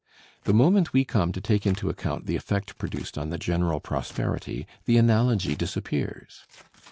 The moment we come to take into account the effect produced on the general prosperity, the analogy disappears.